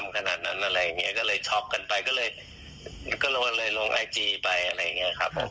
ก็เลยลงไอจีไปอะไรอย่างนี้ครับ